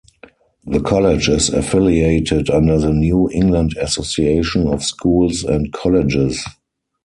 The college is affiliated under the New England Association of Schools and Colleges.